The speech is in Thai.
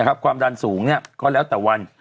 นะครับความดันสูงเนี้ยก็แล้วแต่วัน